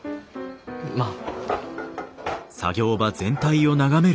まあ。